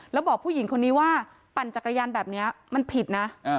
แล้วบอกผู้หญิงคนนี้ว่าปั่นจักรยานแบบนี้มันผิดนะ